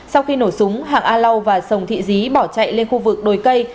sau khi nổ súng hạng a lau và sồng thị di bỏ chạy lên khu vực đồi cây